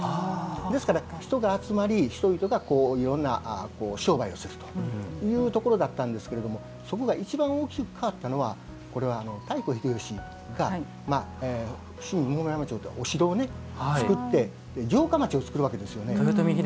ですから人が集まり人々がいろんな商売をするというところだったんですけれどもそこが一番大きく変わったのはこれは太閤秀吉が伏見桃山城というお城を造って城下町を作るわけですよね。